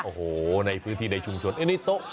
โอ้โหพื้นที่ในชุมชนนี่โต๊ะ